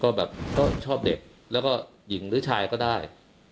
ก็แบบก็ชอบเด็กแล้วก็หญิงหรือชายก็ได้